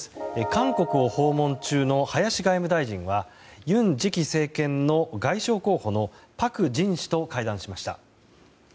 韓国を訪問中の林外務大臣は尹次期政権の外相候補のパク・ジン氏と会談しました。